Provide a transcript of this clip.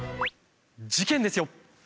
事件ですよ。